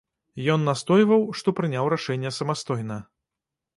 Ён настойваў, што прыняў рашэнне самастойна.